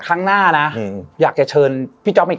ครั้งหน้านะอยากจะเชิญพี่จ๊อปอีก